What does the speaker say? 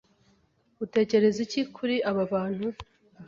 Utekereza iki kuri aba bantu?